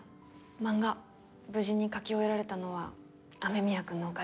漫画無事に描き終えられたのは雨宮くんのおかげだよ。